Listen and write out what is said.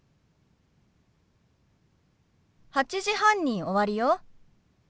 ８時半に終わるよ。